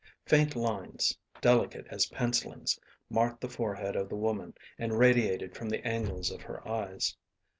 Faint lines, delicate as pencillings, marked the forehead of the woman and radiated from the angles of her eyes.